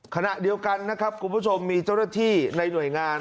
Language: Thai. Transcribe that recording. ขณะเดียวกันนะครับคุณผู้ชมมีเจ้าหน้าที่ในหน่วยงาน